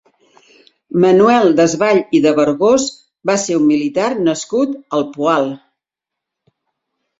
Manuel Desvalls i de Vergós va ser un militar nascut al Poal.